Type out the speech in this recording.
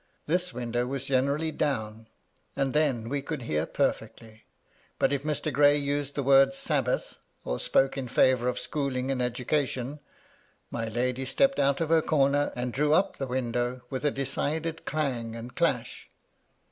This window was generally c 3 84 MY LADY LUDLOW. down, and then we could hear perfectly ; but if Mr. Gray used the word " Sabbath," or spoke in favour of schooling and education, my lady stepped out of her comer, and drew up the window with a decided clang and clash.